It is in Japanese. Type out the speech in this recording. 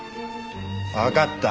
わかった。